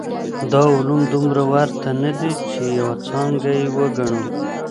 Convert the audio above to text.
دا علوم دومره ورته نه دي چي يوه څانګه يې وګڼو.